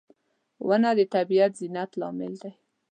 • ونه د طبیعي زینت لامل دی.